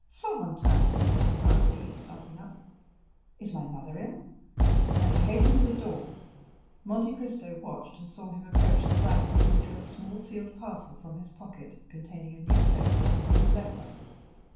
40188m "Florentin here!" cried he, starting up; "is my mother ill?" And he hastened to the door. Monte Cristo watched and saw him approach the valet, who drew a small sealed parcel from his pocket, containing a newspaper and a letter.